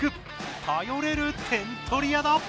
頼れる点取り屋だ。